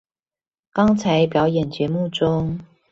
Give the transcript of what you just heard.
剛才表演節目中